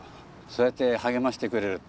そうやって励ましてくれる。